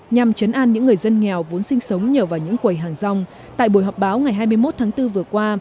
nhằm chấn an những người dân nghèo vốn sinh sống nhờ vào những quầy hàng rong tại buổi họp báo ngày hai mươi một tháng bốn vừa qua